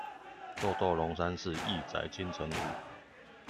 豆豆龍山寺，億載金城武